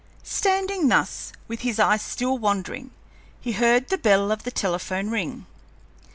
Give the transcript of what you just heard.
Standing thus, with his eyes still wandering, he heard the bell of the telephone ring.